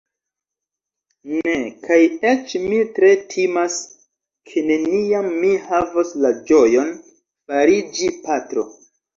Ne; kaj eĉ mi tre timas, ke neniam mi havos la ĝojon fariĝi patro.